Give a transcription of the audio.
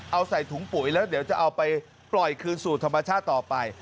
เอาใส่ถุงปุ๋ยแล้วเดี๋ยวจะเอาไปปล่อยคืนสู่ธรรมชาติต่อไป